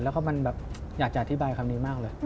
แล้วก็มันแบบอยากจะอธิบายคำนี้มากเลย